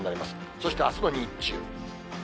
そしてあすの日中。